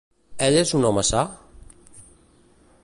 Ell és un home sa?